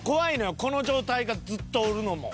この状態がずっとおるのも。